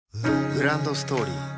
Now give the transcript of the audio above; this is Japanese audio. グランドストーリー